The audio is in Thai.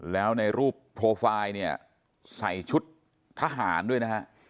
แล้วในรูปโปรไฟล์เนี่ยใส่ชุดทหารด้วยนะฮะ